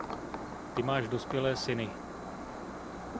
Ty máš dospělé syny.